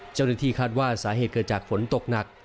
เจ้าหน้าที่คาดว่าสาเหตุเกิดจากฝนตกหนัก